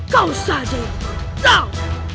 kau saja yang tahu